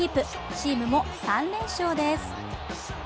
チームも３連勝です。